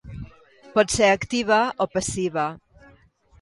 Pot ser activa o passiva.